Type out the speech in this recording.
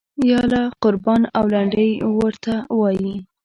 یاله قربان او لنډۍ ورته وایي.